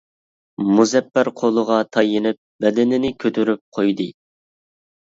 مۇزەپپەر قولىغا تايىنىپ، بەدىنىنى كۆتۈرۈپ قويدى.